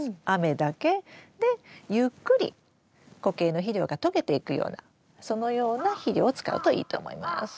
雨だけでゆっくり固形の肥料が溶けていくようなそのような肥料を使うといいと思います。